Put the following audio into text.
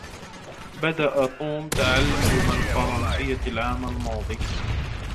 بدء توم تعلم الفرنسية العام الماضي.